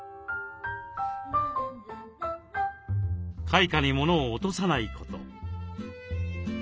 階下に物を落とさないこと。